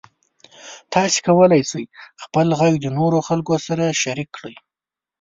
تاسو کولی شئ خپل غږ د نورو خلکو سره شریک کړئ.